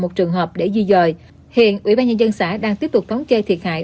một trường hợp để di dời hiện ủy ban nhân dân xã đang tiếp tục thống kê thiệt hại